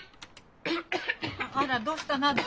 あらどうしたの？